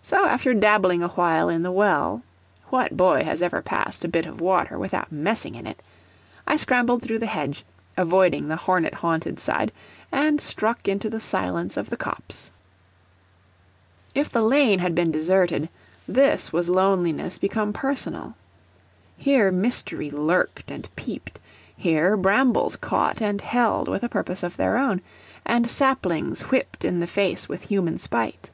So, after dabbling awhile in the well what boy has ever passed a bit of water without messing in it? I scrambled through the hedge, avoiding the hornet haunted side, and struck into the silence of the copse. If the lane had been deserted, this was loneliness become personal. Here mystery lurked and peeped; here brambles caught and held with a purpose of their own, and saplings whipped the face with human spite.